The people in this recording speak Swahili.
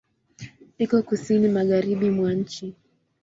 Iko Kusini magharibi mwa nchi.